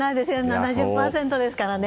７０％ですからね。